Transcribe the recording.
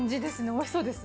美味しそうです。